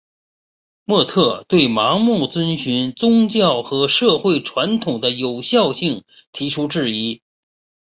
莫特对盲目遵循宗教和社会传统的有效性提出质疑。